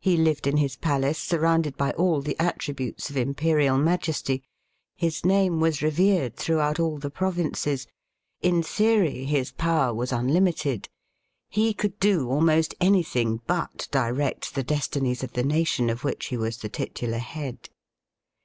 He lived in his palace surrounded by all the attributes of imperial majesty. His name was revered throughout all the provinces. In theory his power was Digitized by VjOOQIC A PERSONAL EPISODE IN HISTORY. 19 unlimited. He could do almost anything but direct the destinies of the nation of which he was the titular head.